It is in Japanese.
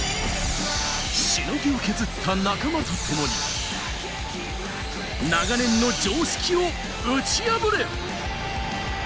しのぎを削った仲間とともに長年の常識を打ち破れ。